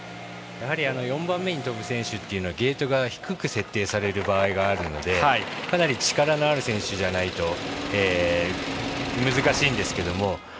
やはり４番目に飛ぶ選手っていうのはゲートが低く設定される場合があるので力のある選手じゃないと難しいですけれども。